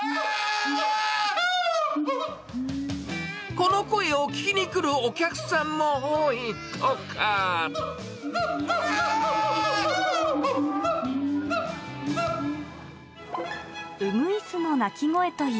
この声を聞きに来るお客さんも多いとか。